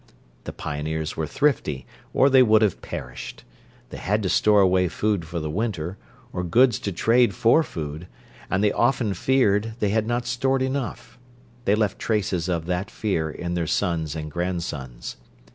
The pioneers were thrifty or they would have perished: they had to store away food for the winter, or goods to trade for food, and they often feared they had not stored enough—they left traces of that fear in their sons and grandsons.